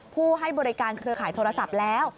ผู้ให้บริการเครือข่ายโทรศัพท์แล้ว